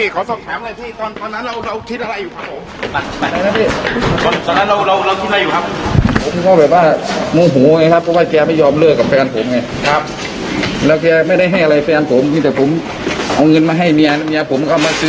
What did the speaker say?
ขอขอบคุณครับพี่ขอสอบถามหน่อยพี่ตอนตอนนั้นเราเราทิ้งอะไรอยู่ครับผม